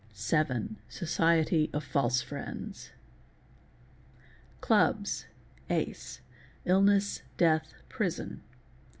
Seven—socicty of false friends. CiuBs.—Ace—uillness, death, prison.